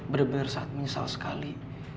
benar benar sangat menyesal sekali